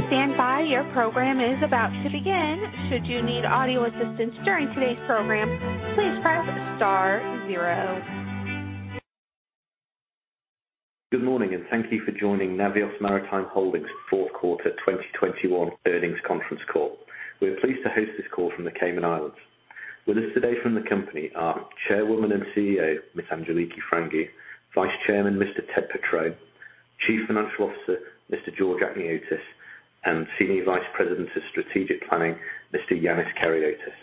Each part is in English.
Good morning, and thank you for joining Navios Maritime Holdings fourth quarter 2021 earnings conference call. We are pleased to host this call from the Cayman Islands. With us today from the company are Chairwoman and CEO, Ms. Angeliki Frangou; Vice Chairman, Mr. Ted Petrone; Chief Financial Officer, Mr. George Achniotis; and Senior Vice President of Strategic Planning, Mr. Ioannis Karyotis.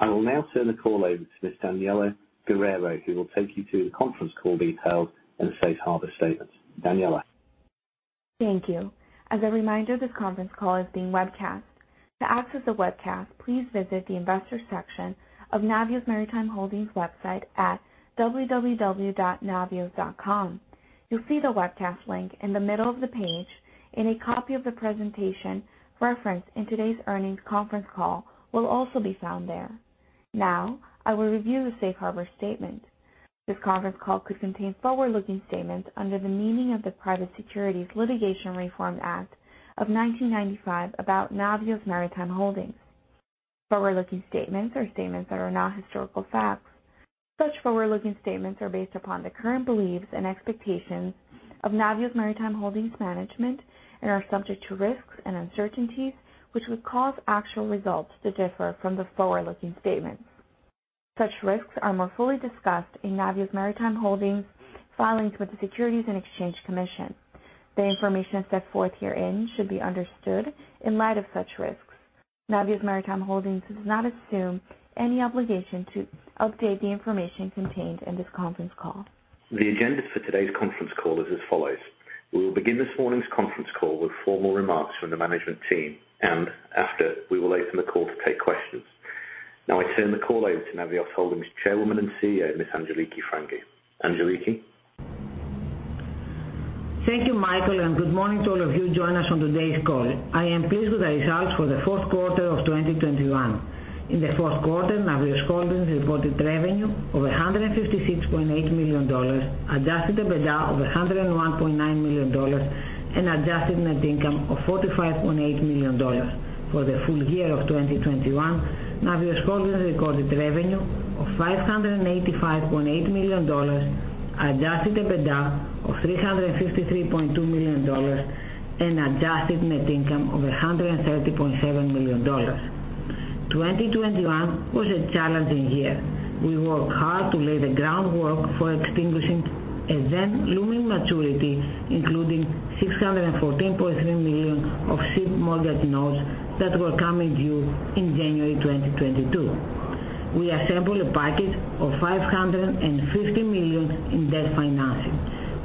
I will now turn the call over to Ms. Daniela Guerrero, who will take you through the conference call details and Safe Harbor statements. Daniela. Thank you. As a reminder, this conference call is being webcast. To access the webcast please visit the Investor section of Navios Maritime Holdings website at www.navios.com. You'll see the webcast link in the middle of the page, and a copy of the presentation referenced in today's earnings conference call will also be found there. Now I will review the Safe Harbor statement. This conference call could contain forward-looking statements under the meaning of the Private Securities Litigation Reform Act of 1995 about Navios Maritime Holdings. Forward-looking statements are statements that are not historical facts. Such forward-looking statements are based upon the current beliefs and expectations of Navios Maritime Holdings management and are subject to risks and uncertainties which would cause actual results to differ from the forward-looking statements. Such risks are more fully discussed in Navios Maritime Holdings filings with the Securities and Exchange Commission. The information set forth herein should be understood in light of such risks. Navios Maritime Holdings does not assume any obligation to update the information contained in this conference call. The agenda for today's conference call is as follows. We will begin this morning's conference call with formal remarks from the management team, and after, we will open the call to take questions. Now I turn the call over to Navios Holdings Chairwoman and CEO, Ms. Angeliki Frangou. Angeliki. Thank you, Michael, and good morning to all of you joining us on today's call. I am pleased with the results for the fourth quarter of 2021. In the fourth quarter, Navios Holdings reported revenue of $156.8 million, Adjusted EBITDA of $101.9 million, and adjusted net income of $45.8 million. For the full year of 2021, Navios Holdings recorded revenue of $585.8 million, Adjusted EBITDA of $353.2 million, and adjusted net income of $130.7 million. 2021 was a challenging year. We worked hard to lay the groundwork for extinguishing a then looming maturity, including $614.3 million of ship mortgage notes that were coming due in January 2022. We assembled a package of $550 million in debt financing.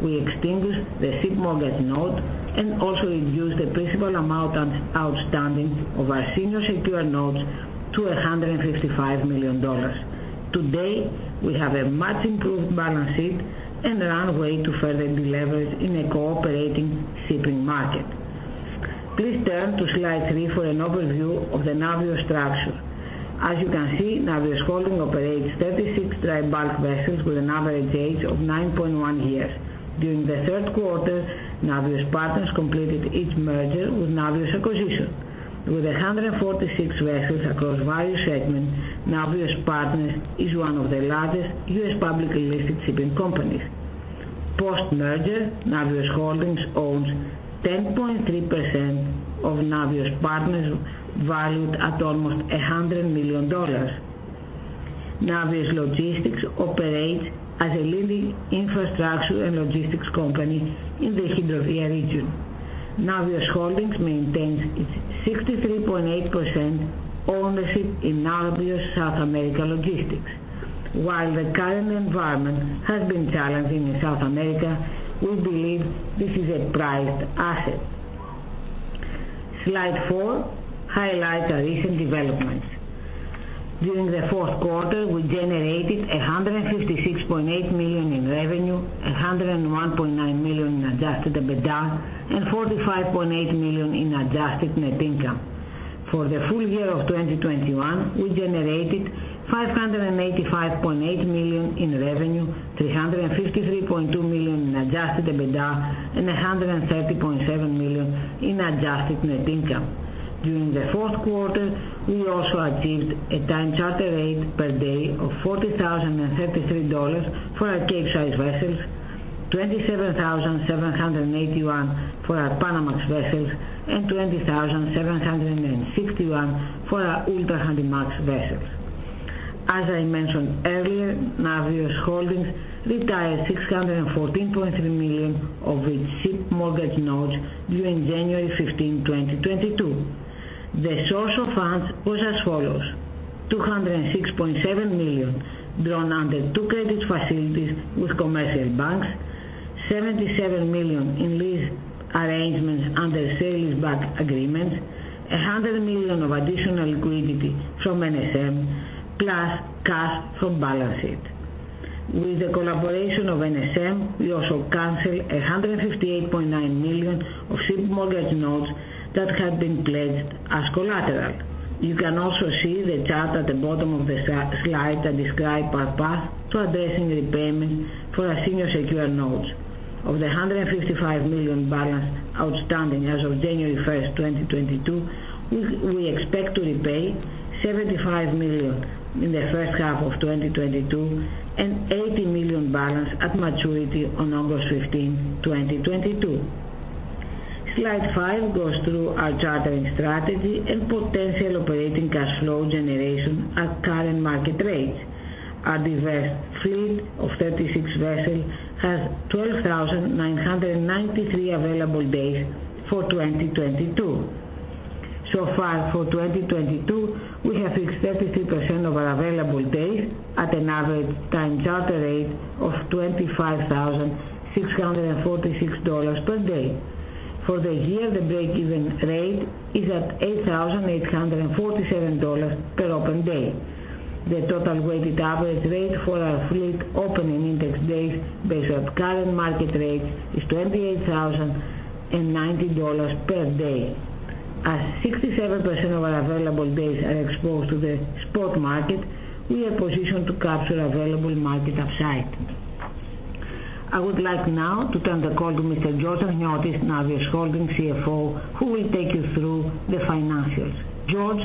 We extinguished the ship mortgage note and also reduced the principal amount outstanding of our senior secured notes to $155 million. Today, we have a much improved balance sheet and runway to further deleverage in a cooperating shipping market. Please turn to slide three for an overview of the Navios structure. As you can see, Navios Holdings operates 36 dry bulk vessels with an average age of 9.1 years. During the third quarter, Navios Partners completed its merger with Navios Acquisition. With 146 vessels across various segments, Navios Partners is one of the largest U.S. publicly listed shipping companies. Post-merger, Navios Holdings owns 10.3% of Navios Partners, valued at almost $100 million. Navios Logistics operates as a leading infrastructure and logistics company in the Hidrovia region. Navios Holdings maintains its 63.8% ownership in Navios South American Logistics. While the current environment has been challenging in South America, we believe this is a prized asset. Slide four highlight our recent developments. During the fourth quarter, we generated $156.8 million in revenue, $101.9 million in Adjusted EBITDA, and $45.8 million in adjusted net income. For the full year of 2021, we generated $585.8 million in revenue, $353.2 million in Adjusted EBITDA, and $130.7 million in adjusted net income. During the fourth quarter, we also achieved a time charter rate per day of $40,033 for our Capesize vessels, $27,781 for our Panamax vessels, and $20,761 for our Ultra-Handymax vessels. As I mentioned earlier, Navios Holdings retired $614.3 million of its ship mortgage notes during January 15, 2022. The source of funds was as follows. $206.7 million drawn under two credit facilities with commercial banks, $77 million in lease arrangements under sale-leaseback agreements, $100 million of additional liquidity from NSM, plus cash from balance sheet. With the collaboration of NSM, we also canceled $158.9 million of ship mortgage notes that had been pledged as collateral. You can also see the chart at the bottom of the slide that describe our path to addressing repayment for our senior secured notes. Of the $155 million balance outstanding as of January 1st, 2022, we expect to repay $75 million in the first half of 2022 and $80 million balance at maturity on August 15, 2022. Slide five goes through our chartering strategy and potential operating cash flow generation at current market rates. Our diverse fleet of 36 vessels has 12,993 available days for 2022. So far for 2022, we have fixed 33% of our available days at an average time charter rate of $25,646 per day. For the year, the break-even rate is at $8,847 per open day. The total weighted average rate for our fleet open in index days based on current market rate is $28,090 per day. As 67% of our available days are exposed to the spot market, we are positioned to capture available market upside. I would like now to turn the call to Mr. George Achniotis, Navios Holdings CFO, who will take you through the financials. George?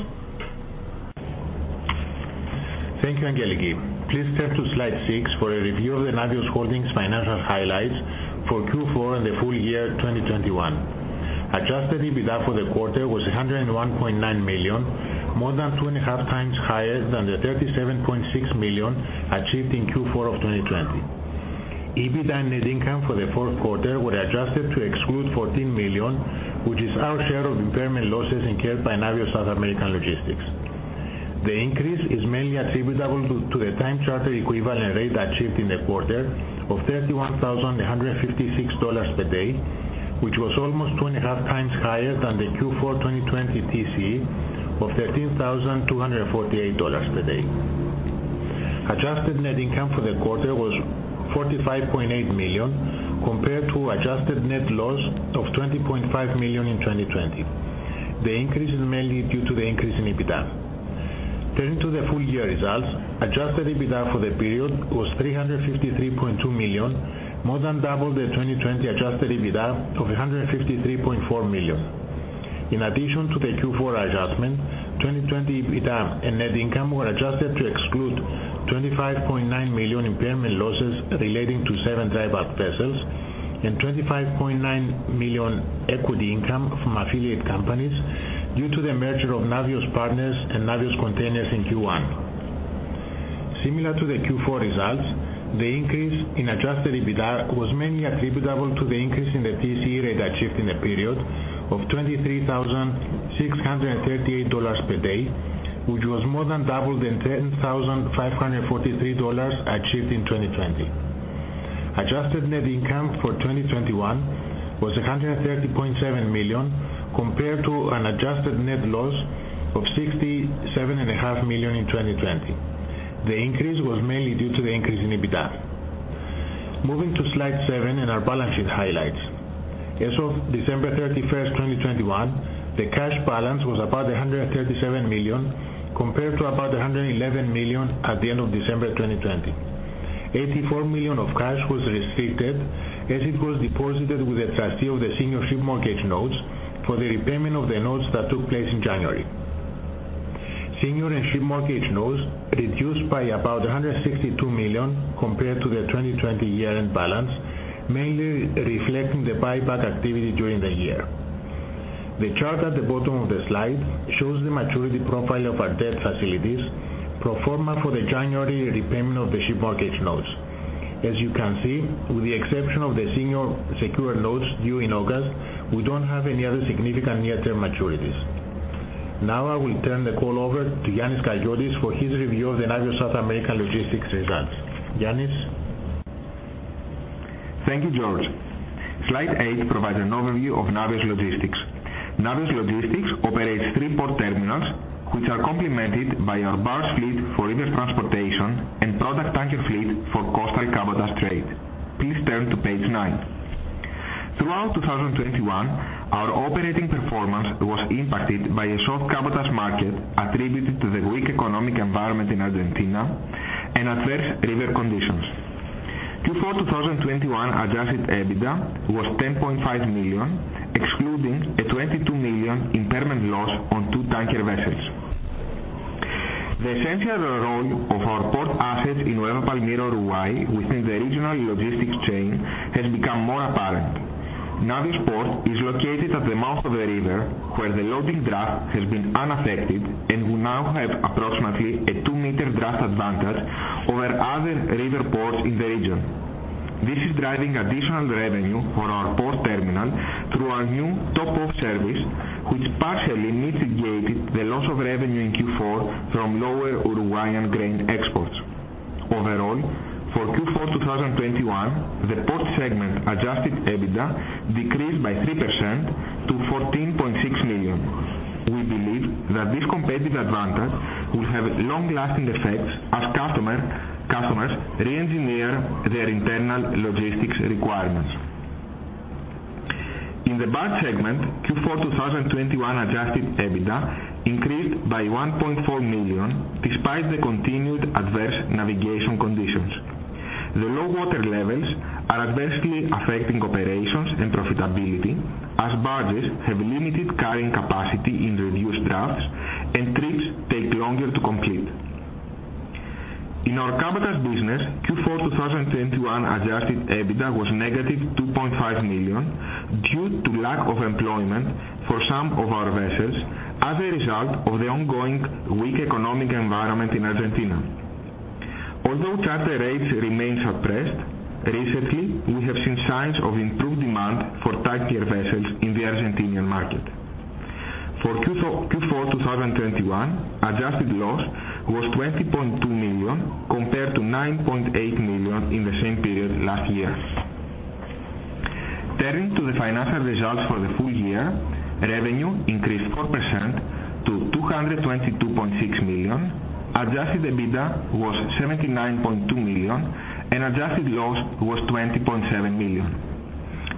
Thank you, Angeliki. Please turn to slide six for a review of the Navios Holdings financial highlights for Q4 and the full year 2021. Adjusted EBITDA for the quarter was $101.9 million, more than 2.5x higher than the $37.6 million achieved in Q4 of 2020. EBITDA net income for the fourth quarter were adjusted to exclude $14 million, which is our share of impairment losses incurred by Navios South American Logistics. The increase is mainly attributable to the time charter equivalent rate achieved in the quarter of $31,156 per day, which was almost 2.5x higher than the Q4 2020 TCE of $13,248 per day. Adjusted net income for the quarter was $45.8 million compared to adjusted net loss of $20.5 million in 2020. The increase is mainly due to the increase in EBITDA. Turning to the full year results, Adjusted EBITDA for the period was $353.2 million, more than double the 2020 Adjusted EBITDA of $153.4 million. In addition to the Q4 adjustment, 2020 EBITDA and net income were adjusted to exclude $25.9 million impairment losses relating to seven dry bulk vessels and $25.9 million equity income from affiliate companies due to the merger of Navios Partners and Navios Containers in Q1. Similar to the Q4 results, the increase in Adjusted EBITDA was mainly attributable to the increase in the TCE rate achieved in the period of $23,638 per day, which was more than double the $10,543 achieved in 2020. Adjusted net income for 2021 was $130.7 million compared to an adjusted net loss of $67.5 million in 2020. The increase was mainly due to the increase in EBITDA. Moving to slide seven and our balance sheet highlights. As of December 31st, 2021, the cash balance was about $137 million compared to about $111 million at the end of December 2020. $84 million of cash was restricted as it was deposited with the trustee of the senior ship mortgage notes for the repayment of the notes that took place in January. Senior ship mortgage notes reduced by about $162 million compared to the 2020 year-end balance, mainly reflecting the buyback activity during the year. The chart at the bottom of the slide shows the maturity profile of our debt facilities pro forma for the January repayment of the ship mortgage notes. As you can see, with the exception of the senior secured notes due in August, we don't have any other significant near-term maturities. Now I will turn the call over to Ioannis Karyotis for his review of the Navios South American Logistics results. Ioannis? Thank you, George. Slide eight provides an overview of Navios Logistics. Navios Logistics operates three port terminals, which are complemented by our barge fleet for river transportation and product tanker fleet for coastal cabotage trade. Please turn to page nine. Throughout 2021, our operating performance was impacted by a soft cabotage market attributed to the weak economic environment in Argentina and adverse river conditions. Q4 2021 Adjusted EBITDA was $10.5 million, excluding a $22 million impairment loss on two tanker vessels. The essential role of our port assets in Nueva Palmira, Uruguay within the regional logistics chain has become more apparent. Navios Port is located at the mouth of the river, where the loading draft has been unaffected and will now have approximately a 2-meter draft advantage over other river ports in the region. This is driving additional revenue for our port terminal through our new top-off service, which partially mitigated the loss of revenue in Q4 from lower Uruguayan grain exports. Overall, for Q4 2021, the port segment Adjusted EBITDA decreased by 3% to $14.6 million. We believe that this competitive advantage will have long-lasting effects as customers reengineer their internal logistics requirements. In the barge segment, Q4 2021 Adjusted EBITDA increased by $1.4 million despite the continued adverse navigation conditions. The low water levels are adversely affecting operations and profitability as barges have limited carrying capacity in reduced drafts and trips take longer to complete. In our cabotage business, Q4 2021 Adjusted EBITDA was $-2.5 million due to lack of employment for some of our vessels as a result of the ongoing weak economic environment in Argentina. Although charter rates remain suppressed, recently, we have seen signs of improved demand for tanker vessels in the Argentine market. For Q4 2021, adjusted loss was $20.2 million compared to $9.8 million in the same period last year. Turning to the financial results for the full year, revenue increased 4% to $222.6 million. Adjusted EBITDA was $79.2 million, and adjusted loss was $20.7 million.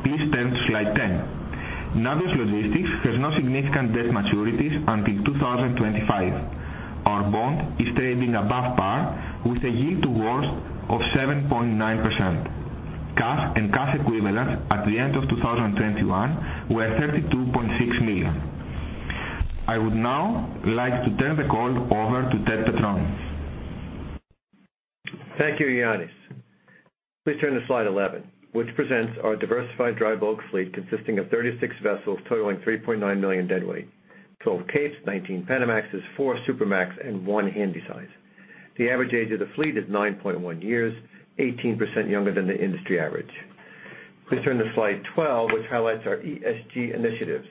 Please turn to slide 10. Navios Logistics has no significant debt maturities until 2025. Our bond is trading above par with a yield to worst of 7.9%. Cash and cash equivalents at the end of 2021 were $32.6 million. I would now like to turn the call over to Ted Petrone. Thank you, Ioannis. Please turn to slide 11, which presents our diversified dry bulk fleet consisting of 36 vessels totaling 3.9 million deadweight, 12 Capes, 19 Panamaxes, four Supramax, and one Handysize. The average age of the fleet is 9.1 years, 18% younger than the industry average. Please turn to slide 12, which highlights our ESG initiatives.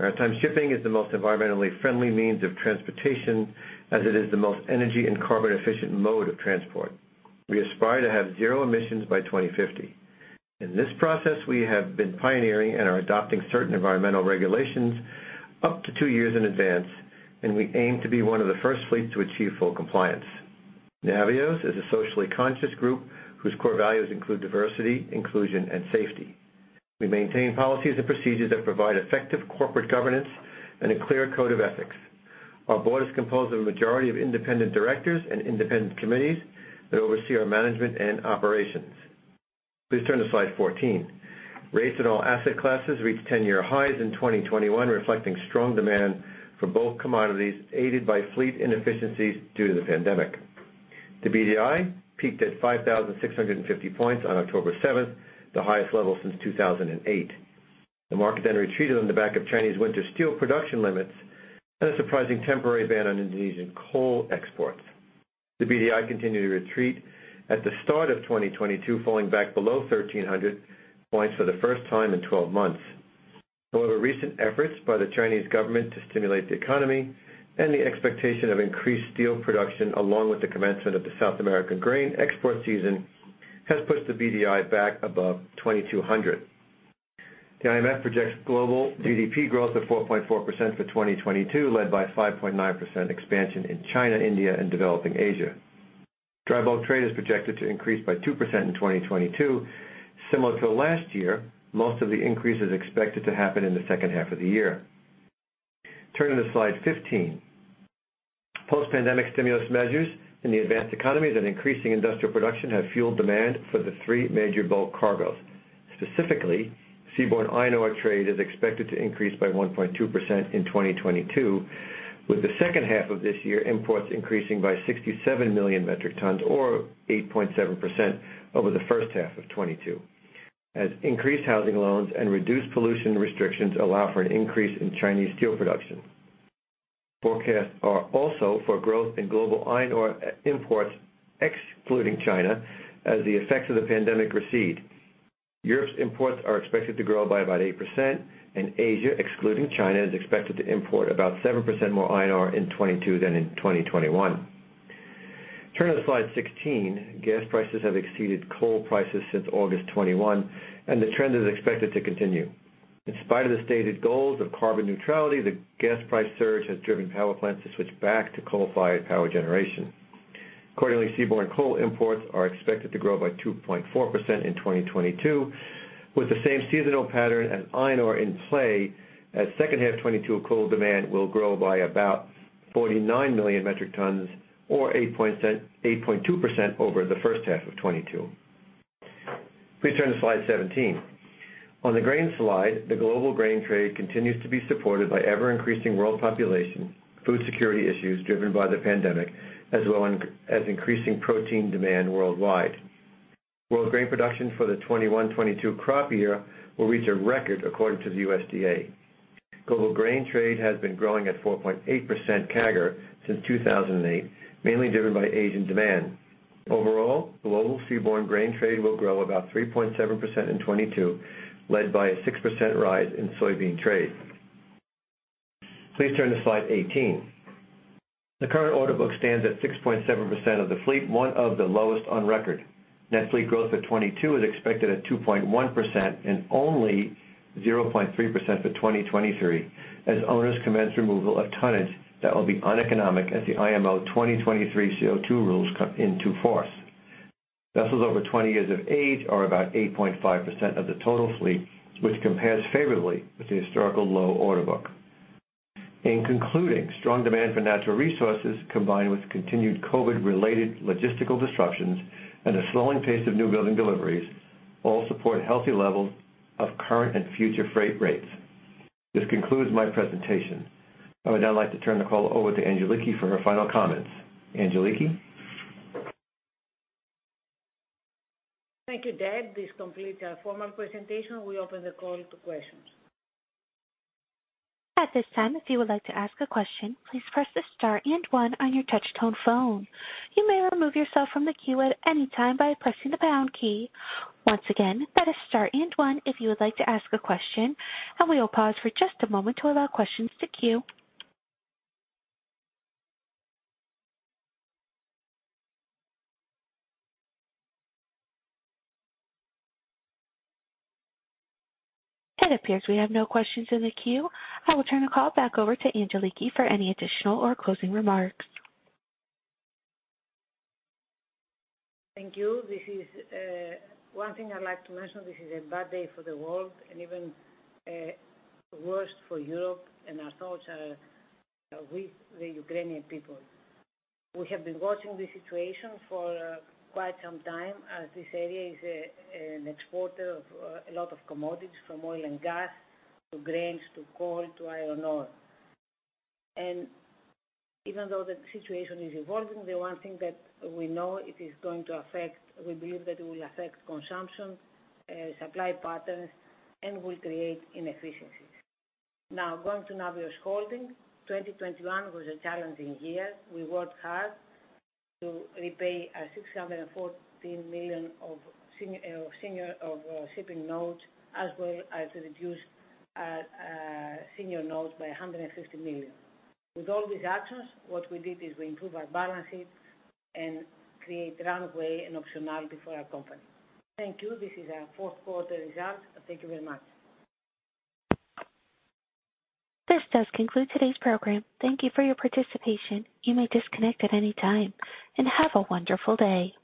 Maritime shipping is the most environmentally friendly means of transportation, as it is the most energy and carbon efficient mode of transport. We aspire to have zero emissions by 2050. In this process, we have been pioneering and are adopting certain environmental regulations up to two years in advance, and we aim to be one of the first fleets to achieve full compliance. Navios is a socially conscious group whose core values include diversity, inclusion, and safety. We maintain policies and procedures that provide effective corporate governance and a clear code of ethics. Our board is composed of a majority of independent directors and independent committees that oversee our management and operations. Please turn to slide 14. Rates in all asset classes reached 10-year highs in 2021, reflecting strong demand for both commodities, aided by fleet inefficiencies due to the pandemic. The BDI peaked at 5,650 points on October 7th, the highest level since 2008. The market then retreated on the back of Chinese winter steel production limits and a surprising temporary ban on Indonesian coal exports. The BDI continued to retreat at the start of 2022, falling back below 1,300 points for the first time in 12 months. However, recent efforts by the Chinese government to stimulate the economy and the expectation of increased steel production, along with the commencement of the South American grain export season, has pushed the BDI back above 2,200. The IMF projects global GDP growth of 4.4% for 2022, led by 5.9% expansion in China, India, and developing Asia. Dry bulk trade is projected to increase by 2% in 2022. Similar to last year, most of the increase is expected to happen in the second half of the year. Turning to slide 15. Post-pandemic stimulus measures in the advanced economies and increasing industrial production have fueled demand for the three major bulk cargoes. Specifically, seaborne iron ore trade is expected to increase by 1.2% in 2022, with the second half of this year imports increasing by 67 million metric tons or 8.7% over the first half of 2022 as increased housing loans and reduced pollution restrictions allow for an increase in Chinese steel production. Forecasts are also for growth in global iron ore imports excluding China as the effects of the pandemic recede. Europe's imports are expected to grow by about 8%, and Asia, excluding China, is expected to import about 7% more iron ore in 2022 than in 2021. Turning to slide 16. Gas prices have exceeded coal prices since August 2021, and the trend is expected to continue. In spite of the stated goals of carbon neutrality, the gas price surge has driven power plants to switch back to coal-fired power generation. Accordingly, seaborne coal imports are expected to grow by 2.4% in 2022, with the same seasonal pattern as iron ore in play as second half 2022 coal demand will grow by about 49 million metric tons or 8.2% over the first half of 2022. Please turn to slide 17. On the grain slide, the global grain trade continues to be supported by ever-increasing world population, food security issues driven by the pandemic, as well as increasing protein demand worldwide. World grain production for the 2021-2022 crop year will reach a record according to the USDA. Global grain trade has been growing at 4.8% CAGR since 2008, mainly driven by Asian demand. Overall, global seaborne grain trade will grow about 3.7% in 2022, led by a 6% rise in soybean trade. Please turn to slide 18. The current order book stands at 6.7% of the fleet, one of the lowest on record. Net fleet growth for 2022 is expected at 2.1% and only 0.3% for 2023, as owners commence removal of tonnage that will be uneconomic as the IMO 2023 CO2 rules come into force. Vessels over 20 years of age are about 8.5% of the total fleet, which compares favorably with the historical low order book. In concluding, strong demand for natural resources combined with continued COVID related logistical disruptions and a slowing pace of new building deliveries all support healthy levels of current and future freight rates. This concludes my presentation. I would now like to turn the call over to Angeliki for her final comments. Angeliki. Thank you, Ted. This completes our formal presentation. We open the call to questions. At this time, if you would like to ask a question, please press the star and one on your touch tone phone. You may remove yourself from the queue at any time by pressing the pound key. Once again, that is star and one if you would like to ask a question, and we will pause for just a moment to allow questions to queue. It appears we have no questions in the queue. I will turn the call back over to Angeliki for any additional or closing remarks. Thank you. This is one thing I'd like to mention, this is a bad day for the world and even worse for Europe, and our thoughts are with the Ukrainian people. We have been watching this situation for quite some time, as this area is an exporter of a lot of commodities from oil and gas to grains to coal to iron ore. Even though the situation is evolving, the one thing that we know it is going to affect, we believe that it will affect consumption, supply patterns and will create inefficiencies. Now going to Navios Holdings, 2021 was a challenging year. We worked hard to repay our $614 million of senior shipping notes, as well as reduce our senior notes by $150 million. With all these actions, what we did is we improved our balance sheet and create runway and optionality for our company. Thank you. This is our fourth quarter results. Thank you very much. This does conclude today's program. Thank you for your participation. You may disconnect at any time, and have a wonderful day.